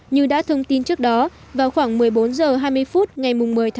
như đã thông tin trước đó vào khoảng một mươi bốn h hai mươi phút ngày một mươi một